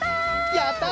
やった！